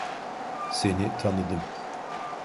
Seni tanıdım.